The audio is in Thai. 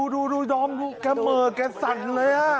ดูแกเหมือนแกสั่นเลยอะ